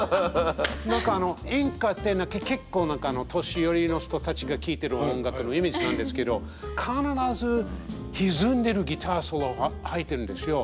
何か演歌って結構年寄りの人たちが聞いてる音楽のイメージなんですけど必ず歪んでるギターソロが入ってるんですよ。